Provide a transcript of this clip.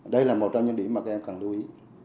đây là một trong những điểm mà các em cần lưu ý